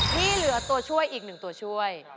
ที่เหลือตัวช่วยอีกหนึ่งตัวช่วย